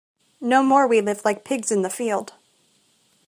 No more we live like pigs in the field.